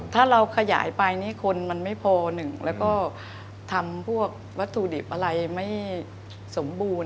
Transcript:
ถ้าเราขยายไปนี่คนมันไม่พอหนึ่งแล้วก็ทำพวกวัตถุดิบอะไรไม่สมบูรณ์